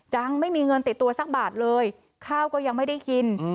ไม่มีเงินติดตัวสักบาทเลยข้าวก็ยังไม่ได้กิน